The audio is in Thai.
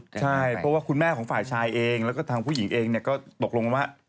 ใช่เพราะว่าคุณแม่ของฝ่ายชายเองแล้วก็ทางผู้หญิงเองก็ตกลงว่า